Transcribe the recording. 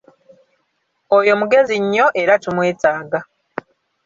Oyo mugezi nnyo era tumwetaaga.